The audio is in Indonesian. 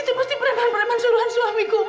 itu pasti perempuan perempuan suruhan suamiku bu